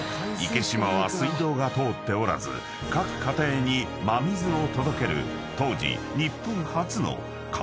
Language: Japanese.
池島は水道が通っておらず各家庭に真水を届ける当時］